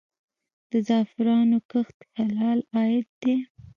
د زعفرانو کښت حلال عاید دی؟